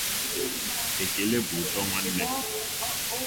Ekele bụ ụtọ nwanne